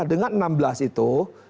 dengan enam belas itu